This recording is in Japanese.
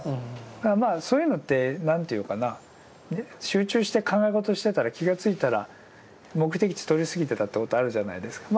そういうのって何ていうかな集中して考え事をしてたら気がついたら目的地通り過ぎてたってことあるじゃないですか。